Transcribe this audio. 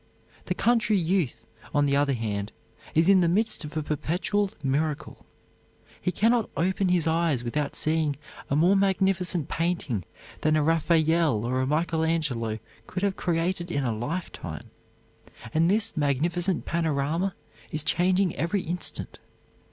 The country youth, on the other hand, is in the midst of a perpetual miracle. He can not open his eyes without seeing a more magnificent painting than a Raphael or a Michael Angelo could have created in a lifetime. And this magnificent panorama is changing every instant.